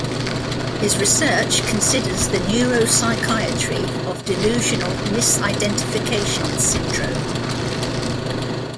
His research considers the neuropsychiatry of delusional misidentification syndrome.